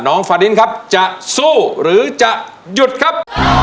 ฟาดินครับจะสู้หรือจะหยุดครับ